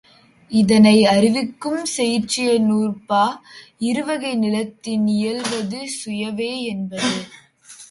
இதனை அறிவிக்கும் செயிற்றிய நூற்பா, இருவகை நிலத்தின் இயல்வது சுவையே என்பது.